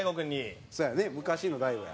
そうやね昔の大悟や。